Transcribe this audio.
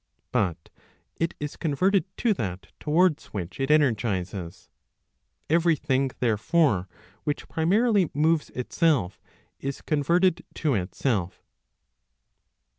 But it is converted to that towards which it energizes. Every thing therefore which primarily moves itself, is converted to itself.